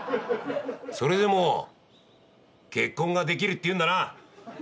それでも結婚ができるって言うんだな。